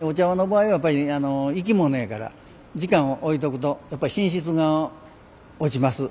お茶の場合はやっぱり生き物やから時間をおいとくとやっぱり品質が落ちます。